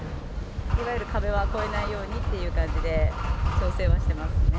いわゆる壁は越えないようにっていう感じで、調整はしてますね。